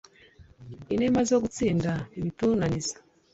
inema zo gutsinda ibitunaniza